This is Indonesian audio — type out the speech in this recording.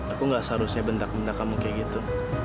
aku gak seharusnya bentak bentak kamu kayak gitu